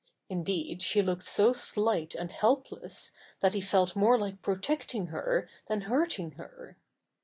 Indeed, she looked so slight and help less that he felt more like protecting her than hurting her.